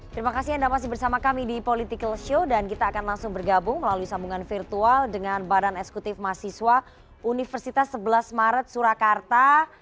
terima kasih anda masih bersama kami di political show dan kita akan langsung bergabung melalui sambungan virtual dengan badan eksekutif mahasiswa universitas sebelas maret surakarta